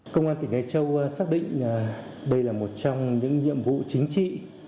công an tỉnh nghệ châu xác định đây là một trong những nhiệm vụ chính trị